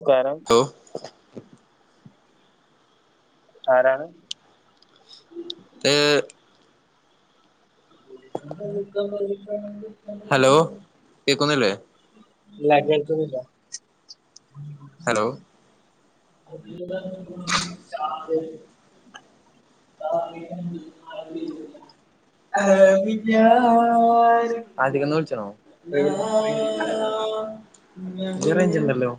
നമസ്കാരം ഓ ആരാണ് ഏ എക്ക [unintelligible] ഹലോ കേക്കുന്നില്ലേ ഇല്ല കേൾക്കുന്നില്ല ഹലോ [unintelligible] [unintelligible] [unintelligible] കേൾക്കുന്നില്ല ആത്ക്ക്ന്ന് വിള്ച്ചണോ [unintelligible] ആഹ് ത് റേൻഞ്ച് ണ്ടല്ലോ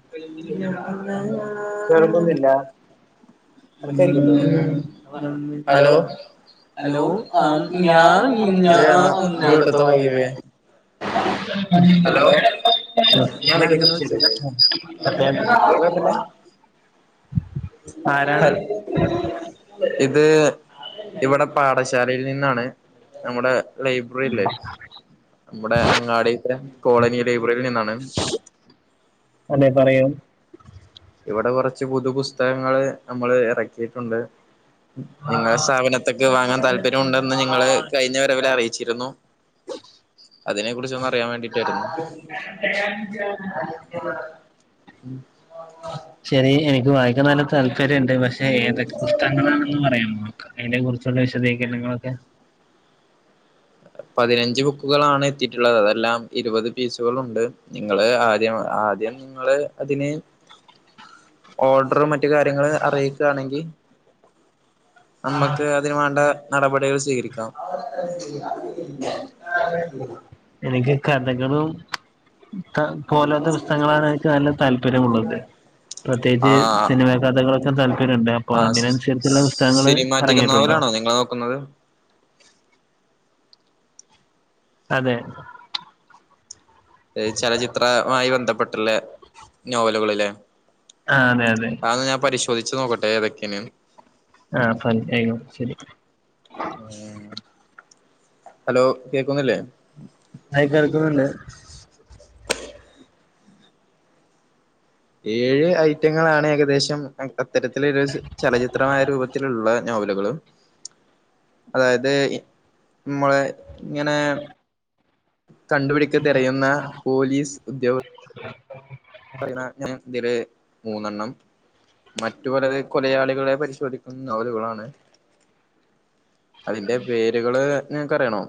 നിനക്ക് കേൾക്കുന്നുണ്ടോ [unintelligible] ഹലോ ഹലോ ആഹ് ഞാ ഞാൻ ഞ ഞാ ആ ഉം ഞാ ഇവിടത്തെ [unintelligible] ഹലോ ആഹ് ഞാൻ വെക്കുന്നെ ആദ്യക്കൊന്ന് വിളിച്ചല്ലേ [unintelligible] ഹൽ ഇത് ഇവിടെ പാഠശാലയിൽ നിന്നാണ് നമ്മുടെ ലൈബ്രറില്ലേ മ്മുടെ അങ്ങാടിത്തെ കോളനി ലൈബ്രറിനിന്നാണ് അതെ പറയു ഇവിടെ കൊറച്ച് പുതു പുസ്തകങ്ങള് നമ്മള് എറക്കിയിട്ടുണ്ട് നിങ്ങള സ്ഥാപനത്ക് വാങ്ങാൻ താല്പര്യം ഉണ്ടെന്ന് നിങ്ങള് കഴിഞ്ഞ വരവില് അറിയിച്ചിരുന്നു അതിനെ കുറിച്ചോന്ന് അറിയാൻ വേണ്ടിട്ടാരുന്നു ശരി എനിക്ക് വായിക്കാൻ നല്ല താല്പര്യംണ്ട് പക്ഷെ ഏതൊക്കെ പുസ്തകങ്ങളാണെന്ന് പറയാൻ നോക്ക് അയ്നെ കുർച്ചി [unintelligible] വിശധികരണങ്ങളൊക്കെ പതിനഞ്ച് ബുക്കുകളാണ് എത്തിയിട്ടുള്ളത് അതെല്ലാം ഇരുപത് പീസുകളുണ്ട് നിങ്ങള് ആദ്യം ആദ്യം നിങ്ങള് അതിന് ഓർഡറ് മറ്റ് കാര്യങ്ങള് അറീക്കാണെങ്കില് നമ്മക്ക് അതിന് വേണ്ട നടപടികൾ സ്വീകരിക്കാം എനിക്ക് കഥകളും ത്ത പോലാത്ത പുസ്തകങ്ങളാണ് എനിക്ക് നല്ല താല്പര്യമുള്ളത് പ്രത്യേകിച്ച് ആഹ് സിനിമ കഥകളൊക്കെ താല്പര്യംണ്ട് അപ്പൊ ആഹ് അതിനനുസരിച്ചുള്ള പുസ്തകങ്ങള് ഇറങ്ങിയിട്ടുണ്ടോ നിങ്ങള് നോക്കുന്നത് അതെ ഏഹ് ചലച്ചിത്രമായി ബന്ധപ്പെട്ട്ള്ള നോവലുകള്ലെ ആഹ് അതെ അതെ അത് ഞാൻ ന്ന് പരിശോധിച്ചു നോക്കട്ടെ ഏതൊക്കെയാണ്ന്ന് ആഹ് [unintelligible] ആയിനു ശരി ഹലോ കേക്കുന്നില്ലേ ആയി കേൾക്കുന്നുണ്ട് ഏഴ് ഐറ്റങ്ങളാണ് ഏകദേശം കണ്ടത് ഇത്തരത്തിലൊരു ച ചലച്ചിത്രമായ രൂപത്തിലുള്ള നോവല് കള് അതായത് ഇ മ്മള് ഇങ്ങനെ കണ്ടുപിടിക്ക തെരയുന്ന പോലീസ് ഉദ്യോഗ [inaudible] മൂന്നെണ്ണം മറ്റുപലരെ കൊലയാളികളെ പരിശോധിക്കുന്ന നോവലുകളാണ് അതിന്റെ പേരുകള് നിനക്കറിയണോ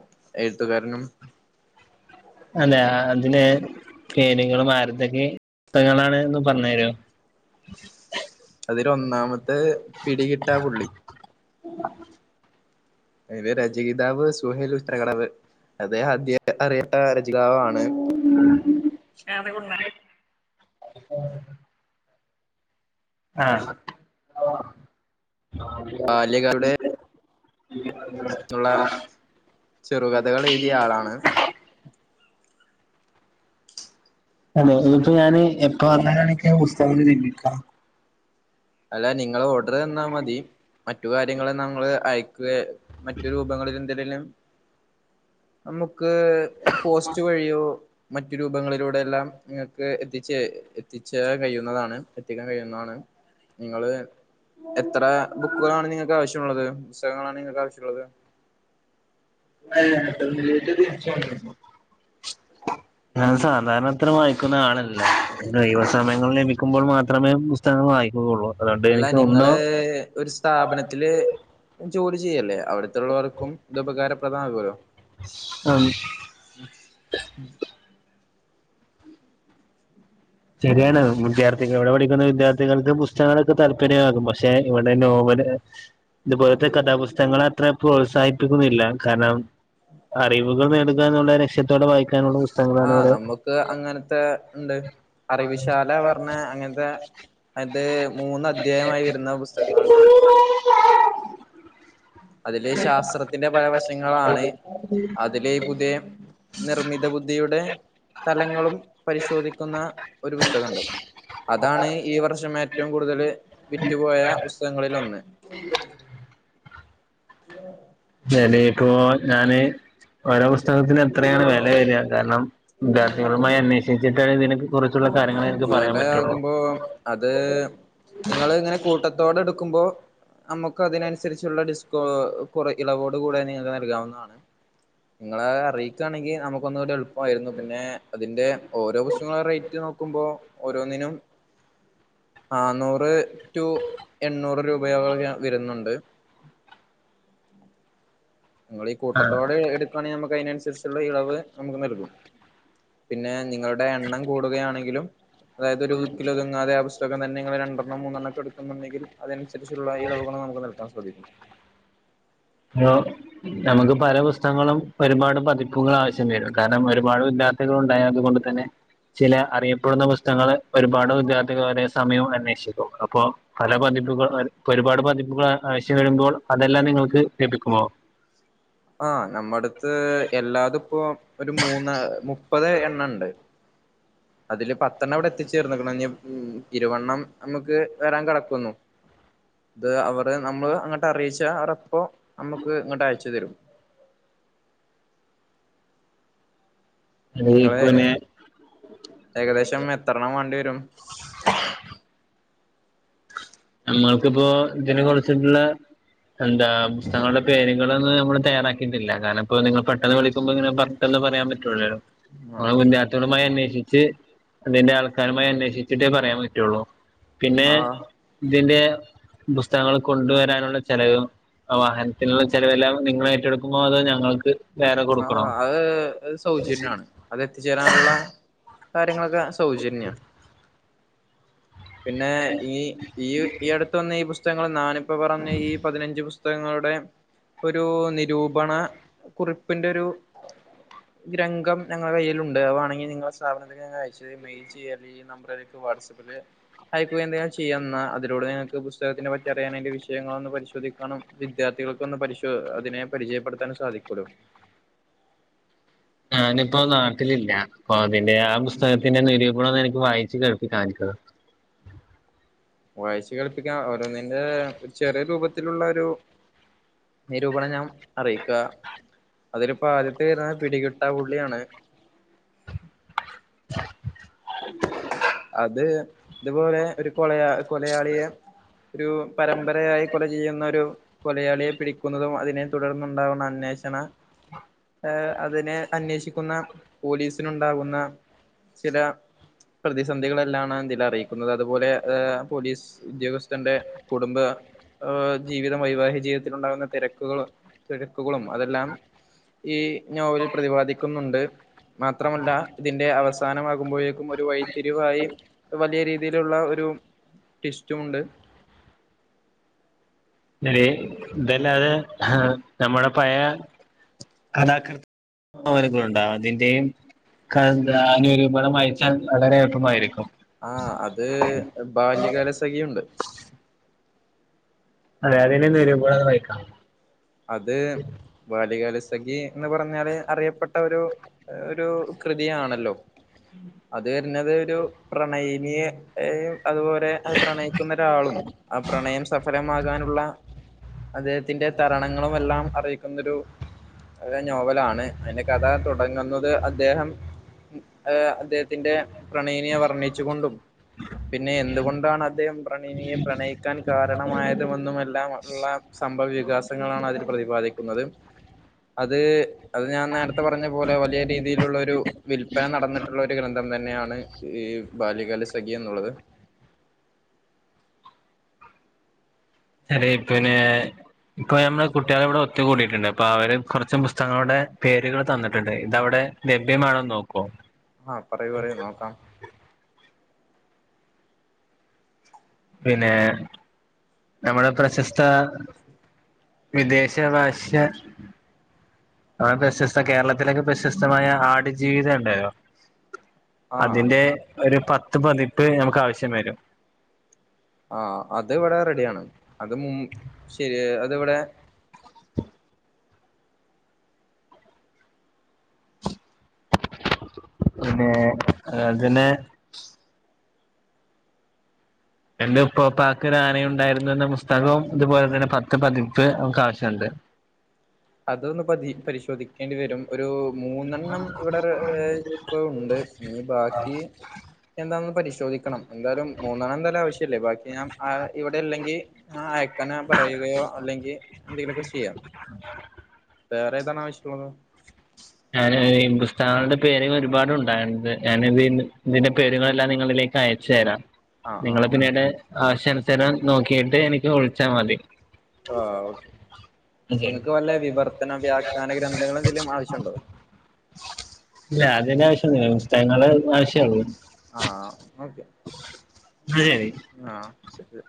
എഴുത്തുകാരനും അതെ അതിനെ പേരുകളും ആര്ത്തൊക്കെ പുസ്തകങ്ങളാണ് എന്ന് പറഞ്ഞു തരോ അതില് ഒന്നാമത്തെ പിടികിട്ടാ പുള്ളി അയിന്റെ രചയിതാവ് സുഹേൽ ഉത്രകടവ് അത് അദ്ദേഹം അറിയപ്പെടുന്ന രചയിതാവാണ് [unintelligible] [unintelligible] ആഹ് ബാലികളുടെ എന്നുള്ള ചെറുകഥകൾ എഴുതിയ ആളാണ് അതെ ഇതിപ്പോ ഞാന് എപ്പം വന്നാലാണ് എനിക്ക് പുസ്തകം കിട്ടുക അല്ല നിങ്ങള് ഓർഡർ തന്നാ മതി മറ്റു കാര്യങ്ങള് നമ്മള് അയക്കുവേ മറ്റു രൂപങ്ങളിൽ എന്തിനേലും നമുക്ക് ക്ക് പോസ്റ്റ് വഴിയോ മറ്റു രൂപങ്ങളിലൂടെയെല്ലാം നിങ്ങൾക്ക് എത്തിച്ച് എത്തിച്ച കഴിയുന്നതാണ് എത്തിക്കാൻ കഴിയുന്നതാണ് നിങ്ങള് എത്ര ബുക്കുകളാണ് നിങ്ങൾക്ക് ആവശ്യമുള്ളത് പുസ്തകങ്ങളാണ് നിങ്ങൾക്ക് ആവശ്യമുള്ളത് [inaudible] ഞാൻ സാധാരണ അത്ര വായിക്കുന്ന ആളല്ല ഒഴിവു സമയങ്ങളില് വക്കുമ്പോൾ മാത്രമേ പുസ്തകങ്ങൾ വായിക്കുകയുള്ളൂ അതുകൊണ്ട് അല്ല എനിക്ക് ഒന്നോ നിങ്ങള് ഒരു സ്ഥാപനത്തില് ജോലി ചെയ്യല്ലേ അവിടുത്തുള്ളവർക്കും ഇത് ഉപകാരപ്രദമാകുമല്ലോ ആഹ് ശെരിയാണ് വിദ്യാർത്ഥികൾ അവിടെ പഠിക്കുന്ന വിദ്യാർത്ഥികൾക്ക് പുസ്ത കങ്ങളൊക്കെ താല്പര്യമാകും പക്ഷെ ഇവിടെ നോവല് ഇതുപോലത്തെ കഥാപുസ്തകങ്ങളെ അത്ര പ്രോത്സാഹിപ്പിക്കുന്നില്ല കാരണം അറിവുകൾ നേടു എന്നുള്ള ലക്ഷ്യത്തോടെ വായിക്കാനുള്ള പുസ്തകങ്ങളാണ് ആഹ് ഇവിടെ അറിവുശാല പറഞ്ഞാ അങ്ങനത്തെ അത് മൂന്ന് അദ്ധ്യായമായി വരുന്ന പുസ്തകങ്ങളുണ്ട് [unintelligible] അതിലെ ശാസ്ത്രത്തിന്റെ പല വശങ്ങളാണ് ഇവിടെ അതിലെ പുതിയ നിർമ്മിത ബുദ്ധിയുടെ തലങ്ങളും പരിശോധിക്കുന്ന ഒരു പുസ്തകമുണ്ട് അതാണ് ഈ വർഷം ഏറ്റവും കൂടുതല് വിറ്റുപോയ പുസ്തകങ്ങളിലൊന്ന് [unintelligible] ഞാന് ഓരോ പുസ്തകത്തിനും എത്രയാണ് വില വരിക കാരണം വിദ്യാർത്ഥികളുമായി അന്വേഷിച്ചിട്ടാണ് ഇതിനെ കുറിച്ചുള്ള കാര്യങ്ങള് എനിക്ക് പറയാൻ പറ്റുള്ളൂ നിങ്ങള് ഇങ്ങനെ കൂട്ടത്തോടെ എടുക്കുമ്പോ നമുക്ക് അതിനനുസരിച്ചുള്ള ഡിസ്കോ കുറ ഇളവോട് കൂടെ നിങ്ങക്ക് നൽകാവുന്നതാണ് നിങ്ങള് അറിയിക്കുയാണെങ്കിൽ നമുക്ക് ഒന്നൂടെ എളുപ്പമായിരുന്നു പിന്നെ അതിന്റെ ഓരോ പുസ്തകങ്ങളുടെ റേറ്റ് നോക്കുമ്പോ ഓരോന്നിനും ആഹ് നൂറ് റ്റു എണ്ണൂറ് രൂപയോളം വരുന്നുണ്ട് നിങ്ങളീ കൂട്ടത്തോടെ എടുക്കുകയാണേ നമുക്ക് അതിനനുസരിച്ചുള്ള ഇളവ് നമുക്ക് നൽകും പിന്നെ നിങ്ങളുടെ എണ്ണം കൂടുകയാണെങ്കിലും അതായത് ഒരു കിലോ ഒതുങ്ങാതെ അവ തൊക്കെ തന്നെ ങ്ങള് രണ്ടെണ്ണം മൂന്നെണ്ണംക്കെ എടുക്കുന്നുണ്ടങ്കിൽ അതനുസരിച്ചുള്ള ഇളവുകൾ നമുക്ക് നൽകാൻ സാ ധിക്കും. യോ നമുക്ക് പല പുസ്തകങ്ങളും ഒരുപാട് പതിപ്പുകൾ ആവശ്യം വരും. കാര്ണം മള് ഒരുപാട് ല്ല [unintelligible] ഉണ്ടായ അതുകൊണ്ട് തന്നെ ചില അറിയപ്പെടുന്ന പുസ്തകങ്ങള് ഒരുപാട് വിദ്യാർത്ഥികൾ വരെ സമയവും അന്വേഷിക്കുന്നു. അപ്പോ പല പതി പ്പുകൾ അര് ക്കൊരുപാട് പതിപ്പുകൾ ആഹ് ആവശ്യം വരുമ്പോൾ അതെല്ലാം നിങ്ങൾക്ക് ലഭിക്കുമോ? ആ നമ്മടുത്ത് എല്ലാതും പ്പോ ഒരു മൂന്ന് മു പ്പതേ എണ്ണംണ്ട് അതില് പത്തെണ്ണിവിടെ എത്തിച്ചേർന്ന്ക്കുണുഇനി ഇരുവണ്ണം നമുക്ക് വരാൻ കടക്കുന്നു ഇത് അവര് നമ്മള് അങ്ങട്ട് അറിയിച്ച അവറപ്പോ നമ്മുക്ക് ഇങ്ങട്ട് അയച്ചു തരും. നിങ്ങള് [unintelligible] ഏകദേശം എത്രണ്ണം വേണ്ടി വരും നമ്മൾക്കിപ്പോ ഇതിനെ കുറിച്ചിട്ടുള്ള എന്താ പുസ്തകങ്ങളുടെ പേര് ങ്ങളൊന്ന് നമ്മൾ തയ്യാറാക്കിയിട്ടില്ല കാരണം ഇപ്പൊ നിങ്ങൾ പെട്ടെന്ന് വിളിക്കുമ്പോ ഇങ്ങനെ പെട്ടന്ന് പറയാൻ പറ്റൂലല്ലോ ആ [unintelligible] ച് അതിന്റെ ആൾക്കാരുമായി അന്വേഷിച്ചിട്ടേ പറയാൻ പറ്റുള്ളൂ. പിന്നെ ആ ഇതിന്റെ പുസ്തകങ്ങൾ കൊണ്ടുവരാനുള്ള ചെലവ് അഹ് വാഹനത്തിനുള്ള ചെലവെല്ലാം നിങ്ങളേറ്റെടുക്കുമ്പോ അത് ഞങ്ങൾക്ക് വേറെ ആഹ് കൊടുക്കണോ അഹ് സൗജന്യണ് അതെത്തിച്ചേരാനുള്ള കാര്യങ്ങളൊക്കെ സൗജന്യാ പിന്നെ ഈ ഈ ഈയടുത്ത് വന്ന ഈ പുസ്തകങ്ങൾ ഞാനിപ്പോ പറഞ്ഞ ഈ പതിനഞ്ച് പുസ് തകങ്ങളുടെ ഒരു നിരൂപണ കുറിപ്പിന്റെ ഒരു രംഗം ഞങ്ങളെ കയ്യിലുണ്ട് അഹ് വേണെങ്കിൽ നിങ്ങളെ സ്ഥാപനത്തിൽ ഞങ്ങൾ അയച്ചുതരും. മെയിൽ ചെയ്യ ഈ നമ്പറിലേക്ക് വാട്സാപ്പില് അയക്കുക എന്തെങ്കിലും ചെയ്യാ എന്നാ അതിലൂടെ നിങ്ങക്ക് പുസ്തകത്തിനെ പറ്റി അറിയാനും അതിൻ്റെ വിഷയങ്ങളൊന്ന് പരിശോധിക്കാനും വിദ്യാർ ത്ഥികൾക്കൊന്ന് പരിശോ അതിനെ പരിചയപ്പെടുത്താനും സാധിക്കുമല്ലോ ഞാനിപ്പോ നാട്ടിലില്ല അപ്പൊ അതിന്റെ ആഹ് പുസ്തകത്തിന്റെ നിരൂപണം ഒന്നെനിക്ക് വായിച്ചു കേൾപ്പി [unintelligible] വായിച്ചു കേൾപ്പിക്കാ ഓരോന്നിൻ്റെ ചെറിയ രൂപത്തിലുള്ള ഒരു നിരൂപണം ഞാൻ അറിയിക്കാ അതിലിപ്പോ ആദ്യത്തേത് പിടികിട്ടാ പുള്ളിയാണ് അത് ഇതുപോലെ ഒരു കൊളയാ കൊലയാളിയെ ഒരു പരമ്പരയായി കൊല ചെയ്യുന്നൊരു കൊലയാളിയെ പിടിക്കുന്നതും അതിനെ തുടർന്നുണ്ടാവുന്ന അന്വേഷണ ഏഹ് അതിനെ അന്വേഷിക്കുന്ന പോലീസിനുണ്ടാകുന്ന ചില പ്രതിസന്ധികളെല്ലാണ് ഇതിലറിയിക്കുന്നത് അതുപോലെ പോലീസ് ഉദ്യോഗസ്ഥന്റെ കുടും ബ ഏഹ് ജീവിതം വൈവാഹിക ജീവിതത്തിലുണ്ടാകുന്ന തിരക്കുകളും തിരക്കുകളും അതെല്ലാം ഈ നോവലിൽ പ്രതിപാദിക്കുന്നുണ്ട് മാത്രമല്ല ഇതിന്റെ അവസാനമാകുമ്പോഴേക്കും ഒരു വഴിത്തിരിവായി വലിയ രീതിയിലുള്ള ഒരു ട്വിസ്റ്റുമുണ്ട് ശരി ഇതല്ലാതെ നമ്മുടെ പഴയ കഥാകൃത്ത് നോവലും കൂടെയുണ്ടോ അതിന്റെയും കഥാനിരൂപണം വായിച്ചാൽ വളരെ എളുപ്പമായിരിക്കും ആഹ് അത് ബാല്യകാലസഖിയുണ്ട് അതെ അതിൻ്റെ നിരൂപണം ഒന്ന് വായിക്കാമോ അത് ബാല്യകാലസ ഖി എന്ന് പറഞ്ഞാല് അറിയപ്പെട്ട ഒരു ഒരു കൃതിയാണല്ലോ അത് വരുന്നത് ഒരു പ്രണയിനിയെ എയും അതുപോലെ അത് പ്രണയിക്കുന്നൊരാളും. ആ പ്രണയം സഫലമാകാനുള്ള അദ്ദേഹത്തിന്റെ തരണങ്ങളുമെല്ലാം അറിയിക്കുന്നൊരു ഒരു നോവലാണ്. അതിന്റെ കഥ തുടങ്ങുന്നത് അദ്ദേഹം അദ്ദേഹത്തിന്റെ പ്രണയിനിയെ വർണ്ണിച്ചു കൊണ്ടും പിന്നെ എന്തുകൊണ്ടാണദ്ദേഹം പ്രണയനിയെ പ്രണയിക്കാൻ കാരണമായതുമെന്നുമെല്ലാം ഉള്ള സംഭവവികാസങ്ങളാണ് അതിൽ പ്രതിപാദിക്കുന്നത്. അത് അത് ഞാൻ നേരത്തെ പറഞ്ഞ പോലെ വലിയ രീതിയിലുള്ള ഒരു വില്പ്പന നടന്നിട്ടുള്ള ഒരു ഗ്രന്ഥം ത ന്നെയാണ് ഈ ബാല്യകാല സഖി എന്നുള്ളത് അതേ പിന്നെ ഇപ്പൊ ഞമ്മെ കുട്ടികളിവിടെ ഒത്തു കൂടിയിട്ടുണ്ട് അപ്പൊ അവര് കുറച്ച് പുസ്തകങ്ങളുടെ പേരുകൾ തന്നിട്ടണ്ട് ഇതവിടെ ലഭ്യമാണോന്ന് നോക്കോ ആ പറയൂ പറയൂ നോക്കാം പിന്നെ നമ്മുടെ പ്രശസ്ത വിദേശ ഭാഷ്യ പ്രശസ്ത കേരള ത്തിലൊക്കെ പ്രശസ്തമായ ആടുജീവിതം ഇണ്ടായോ ആ അതിന്റെ ഒരു പത്ത് പതിപ്പ് ഞമുക്കാവശ്യം വരും ആ അതിവിടെ റെഡിയാണ് അത് മും ശരി അത് ഇവിടെ പിന്നെ അതിന് എന്റെ ഉപ്പപ്പാക്കൊരു ആന ഉണ്ടായിരുന്നുന്ന പുസ്തകവും ഇതുപോലെ തന്നെ പത്ത് പതി പ്പ് നമുക്കാവശ്യംണ്ട് അതൊന്ന് പതി പരിശോധിക്കേണ്ടി വരും ഒരു മൂന്നെണ്ണം ഇവിടെ റെ ഇപ്പ ഉണ്ട് ഇനി ബാക്കി എന്താണെന്ന് പരിശോധിക്കണം എന്തായാലും മൂന്നണ്ണം എന്തായാലും ആവശ്യമല്ലേ ബാക്കി ഞാൻ അ ഇവിടെ ഇല്ലെങ്കിൽ അയക്കന പറയുകയോ അല്ലെങ്കിൽ എന്തെങ്കിലുമൊക്കെ ചെയ്യാം വേറെ ഏതാണ് ആവശ്യമുള്ളത് ഉ ഞാൻ ഈ പുസ്തകങ്ങളുടെ പേരുകൾ ഒരുപാടുണ്ടായണത് ഞാൻ ഇതിന്റെ പേരുകളെല്ലാം നിങ്ങളിലേക്കയക്ക യച്ചു തരാം ആ ആ നിങ്ങള് പിന്നീട് ആവശ്യനുസരം നോക്കിട്ട് എനിക്ക് വിളിച്ചാ മതി ആ ഓക്കെ നിങ്ങക്ക് വല്ല വിവർത്തന വ്യാഖ്യാന ഗ്രന്ഥങ്ങൾ എന്തെങ്കിലും ആ ഇല്ല അതിന്റെ ആവശ്യ ഒന്നു ഇല്ല പുസ്തകങ്ങള് ആ ഓക്കെ അതെ ആ ശരി